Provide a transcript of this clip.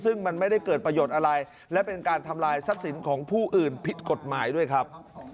ซึ่งมันไม่ได้เกิดประโยชน์อะไรและเป็นการทำลายทรัพย์สินของผู้อื่นผิดกฎหมายด้วยครับ